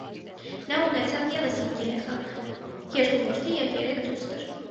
Նա ունեցավ ևս հինգ երեխա՝ երկու որդի և երեք դուստր։